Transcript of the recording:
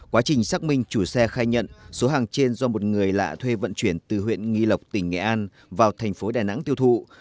quá trình xác minh chủ xe khai nhận số hàng trên do một người lạ thuê vận chuyển từ huyện nghi lộc tỉnh nghệ an vào thành phố đà nẵng tiêu thụ